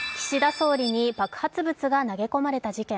総理に爆発物が投げ込まれた事件。